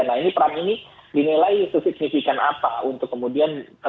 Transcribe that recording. nah ini peran ini dinilai sesignifikan apa untuk kemudian